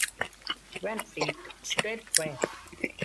Van Fleet State Trail.